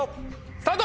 スタート！